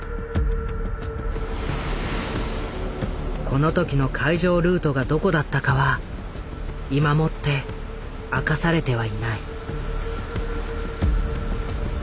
この時の海上ルートがどこだったかは今もって明かされてはいない。